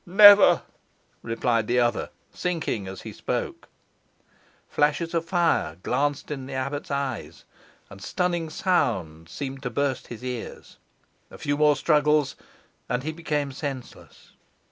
"Never!" replied the other, sinking as he spoke. Flashes of fire glanced in the abbot's eyes, and stunning sounds seemed to burst his ears. A few more struggles, and he became senseless.